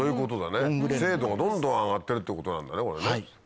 精度がどんどん上がってるってことなんだねこれね。